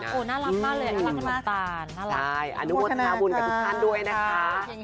อันนี้เห็นมากสามารถโอ๊ยน่ารักอันนู้มวดทานาบุญกับทุกท่านด้วยนะคะ